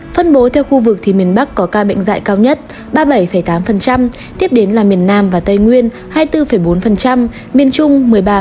phân bố theo khu vực thì miền bắc có ca bệnh dạy cao nhất ba mươi bảy tám tiếp đến là miền nam và tây nguyên hai mươi bốn bốn miền trung một mươi ba bốn